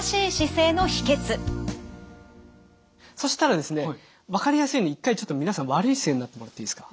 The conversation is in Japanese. そしたらですね分かりやすいように一回ちょっと皆さん悪い姿勢になってもらっていいですか？